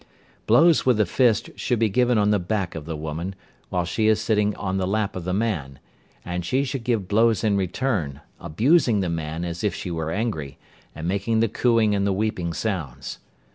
Blows with the fist should be given on the back of the woman, while she is sitting on the lap of the man, and she should give blows in return, abusing the man as if she were angry, and making the cooing and the weeping sounds.